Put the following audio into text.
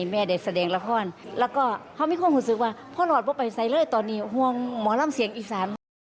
เมื่อก่อนพ่อไปใส่เรื่อยตอนนี้ห่วงหมอนรำเสียงอีสาน